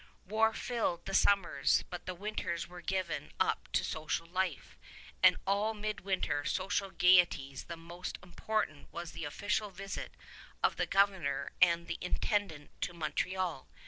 War filled the summers, but the winters were given up to social life; and of all midwinter social gayeties the most important was the official visit of the Governor and the Intendant to Montreal.